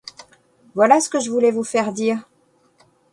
Voilà ce que je voulais vous faire dire.